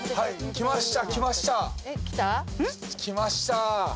きました。